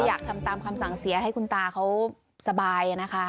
อยากทำตามคำสั่งเสียให้คุณตาเขาสบายนะคะ